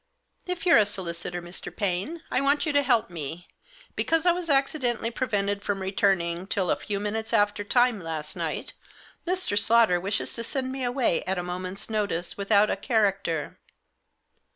If you're a solicitor, Mr. Paine, I want you to help me. Because I was accidentally prevented from returning till a few minutes after time last night, Mr. Slaughter wishes to send me away at a moment's notice, without a character."